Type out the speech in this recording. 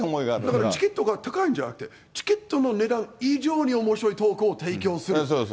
だからチケットが高いんじゃなくて、チケットの値段以上におそれはそうです。